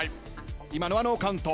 今のはノーカウント。